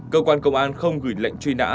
cơ quan công an không gửi lệnh truy nã